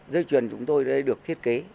dây chuyền chúng tôi đã được thiết kế